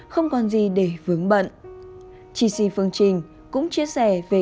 cảm ơn các bạn đã theo dõi và ủng hộ cho kênh lalaschool để không bỏ lỡ những video hấp dẫn